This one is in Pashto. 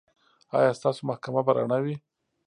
ایا ستاسو محکمه به رڼه وي؟